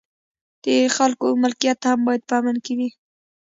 د خلکو ملکیت هم باید په امن کې وي.